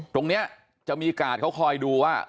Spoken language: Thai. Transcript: ตรงนี้จะมีกาดเขาคอยดูว่า